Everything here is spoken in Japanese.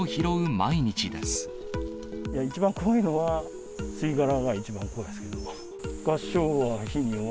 一番怖いのは、吸い殻が一番怖いですけど。